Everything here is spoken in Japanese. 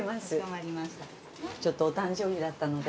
ちょっとお誕生日だったので。